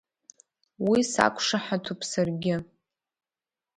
Уи сақәшаҳаҭуп саргьы…